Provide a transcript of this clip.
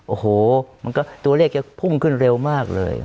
โอ้โหมันก็ตัวเลขจะพุ่งขึ้นเร็วมากเลย